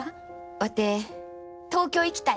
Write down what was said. ワテ東京行きたい。